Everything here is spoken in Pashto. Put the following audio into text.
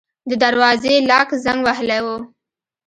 د دروازې لاک زنګ وهلی و.